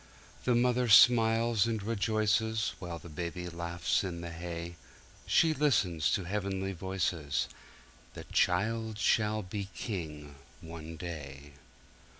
"The Mother smiles and rejoices While the Baby laughs in the hay; She listens to heavenly voices: 'The child shall be King, one day.'"